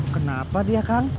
kenapa dia kang